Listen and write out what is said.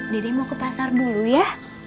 dede mau ke pasar dulu ya